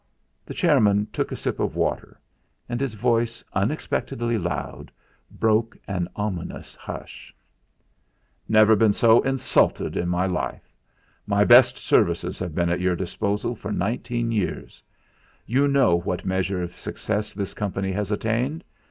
The chairman took a sip of water, and his voice, unexpectedly loud, broke an ominous hush: "Never been so insulted in my life. My best services have been at your disposal for nineteen years; you know what measure of success this Company has attained.